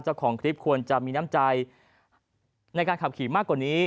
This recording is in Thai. เจ้าของคลิปควรจะมีน้ำใจในการขับขี่มากกว่านี้